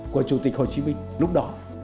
của chủ tịch hồ chí minh lúc đó